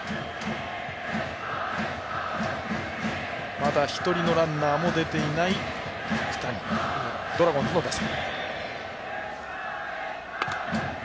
まだ１人のランナーも出ていないドラゴンズの打線。